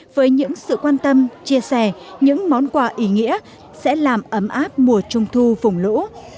với những sự quan tâm chia sẻ những món quà ý nghĩa sẽ làm ấm áp mùa trung thu vùng lũ